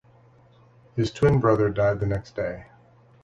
His twin brother died the next day.